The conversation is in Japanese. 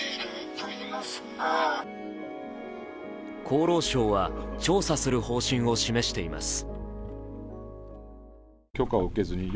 厚労省は調査する方針を示しています。